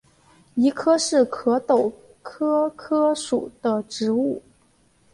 谊柯是壳斗科柯属的植物。